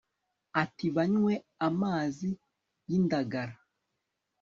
ati banywe amazi y'indagara